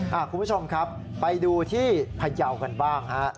คุณผู้ชมครับไปดูที่พยาวกันบ้างฮะ